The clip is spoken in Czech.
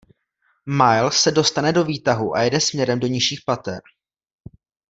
Miles se dostane do výtahu a jede směrem do nižších pater.